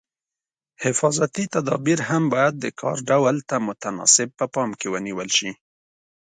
حفاظتي تدابیر هم باید د کار ډول ته متناسب په پام کې ونیول شي.